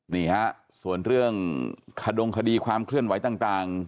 นี่ฮะส่วนเรื่องขดงคดีความเคลื่อนไหวต่าง